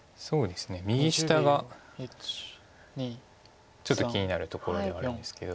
右下がちょっと気になるところではあるんですけど。